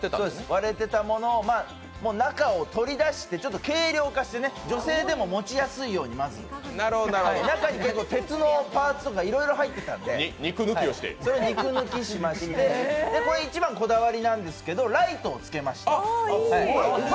割れてたものを中を取り出して軽量化して女性でも持ちやすいように、まず。中に鉄のパーツとかいろいろ入ってたんで肉抜きしまして、これが一番のこだわりなんですけど、ライトをつけました。